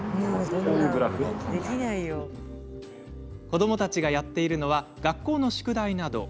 子どもたちがやっているのは学校の宿題など。